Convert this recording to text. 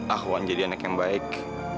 aku akan jadi anak yang baik